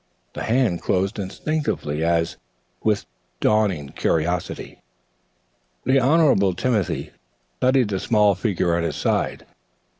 The hand closed instinctively as, with dawning curiosity, the Honorable Timothy studied the small figure at his side.